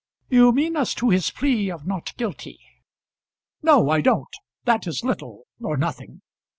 "You mean as to his plea of not guilty." "No, I don't; that is little or nothing.